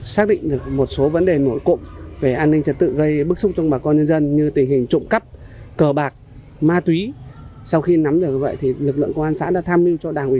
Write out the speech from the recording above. xác định được một số vấn đề nổi cụm về an ninh trật tự gây bức xúc trong bà con nhân dân